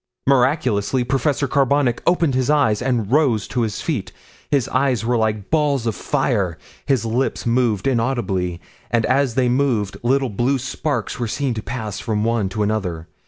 Miraculously Professor Carbonic opened his eyes, and rose to his feet. His eyes were like balls of fire; his lips moved inaudibly, and as they moved little blue sparks were seen to pass from one to another.